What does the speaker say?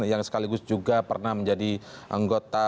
yang sekaligus juga pernah menjadi anggota